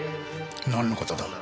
なんの事だ？